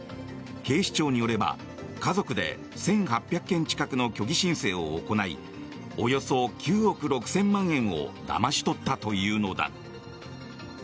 警視庁によれば家族で１８００件近くの虚偽申請を行いおよそ９億６０００万円をだまし取ったというのだ。